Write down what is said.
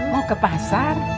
mau ke pasar